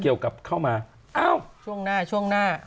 เกี่ยวกับเข้ามาเอ้าช่วงหน้า